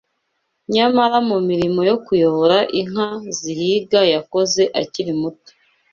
Nyamara mu mirimo yo kuyobora inka zihinga yakoze akiri muto